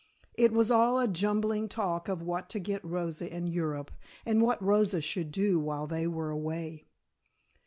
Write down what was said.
It was all a jumbling talk of what to get Rosa in Europe, and what Rosa should do while they were away.